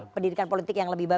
pendidikan politik yang lebih baik